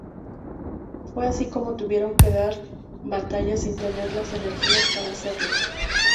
Fue así como tuvieron que dar batalla sin tener las energías para hacerlo.